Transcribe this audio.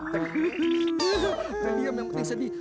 dia diam yang penting sedih